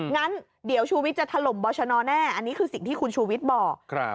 งั้นเดี๋ยวชูวิทย์จะถล่มบอชนแน่อันนี้คือสิ่งที่คุณชูวิทย์บอก